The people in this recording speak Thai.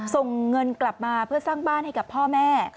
ส่งเงินกลับมาเพื่อสร้างบ้านให้กับพ่อแม่